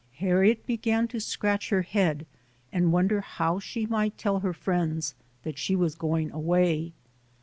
Harriet began to scratch her head and wonder how she might tell her friends that she was going away.